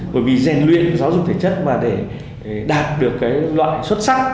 bởi vì gian luyện giáo dục thể chất mà để đạt được loại xuất sắc